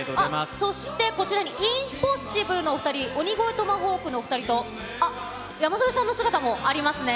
そして、こちらにインポッシブルのお２人、鬼越トマホークのお２人と、山添さんの姿もありますね。